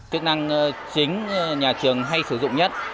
chức năng chính nhà trường hay sử dụng nhất